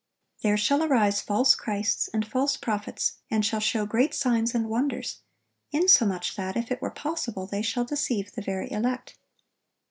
"There shall arise false christs, and false prophets, and shall show great signs and wonders; insomuch that, if it were possible, they shall deceive the very elect....